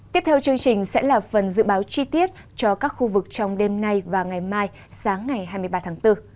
tiếp theo chương trình sẽ là phần dự báo chi tiết cho các khu vực trong đêm nay và ngày mai sáng ngày hai mươi ba tháng bốn